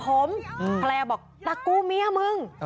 ภรรยาบอกตะกูเมียมึง